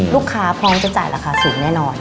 พร้อมจะจ่ายราคาสูงแน่นอน